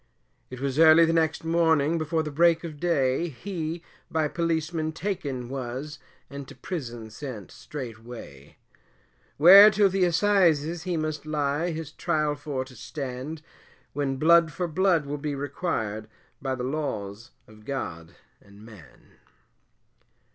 It was early the next morning, before the break of day, He by Policemen taken was, and to prison sent straightway, Where till the Assizes he must lie, his trial for to stand, When blood for blood will be required, by the laws of God and man.